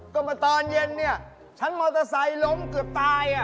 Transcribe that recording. ก็มาตอนเย็นเนี่ยชั้นมอเตอร์ไซค์ล้มเกือบตาย